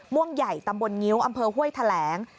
่งใหญ่ตำบลงิ้วอำเภอห้วยแถลง